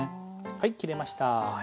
はい切れました！